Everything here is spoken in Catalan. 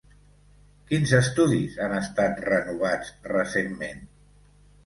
Quins estudis han estat renovats recentment?